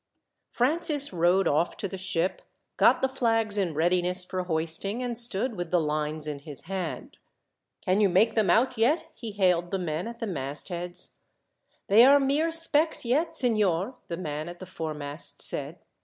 Francis rowed off to the ship, got the flags in readiness for hoisting, and stood with the lines in his hand. "Can you make them out, yet?" he hailed the men at the mastheads. "They are mere specks yet, signor," the man at the foremast said.